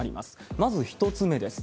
まず１つ目です。